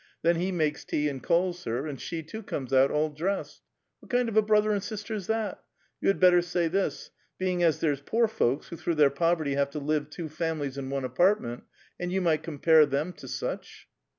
Then he makes tea and calls her, and she too comes out all dressed. What kind of a brother and sister's that? You had better sav this : being as there's poor folks who through their poverty have to live two families in one apartment ; and you might compare them to snch